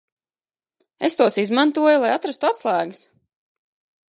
Es tos izmantoju, lai atrastu atslēgas.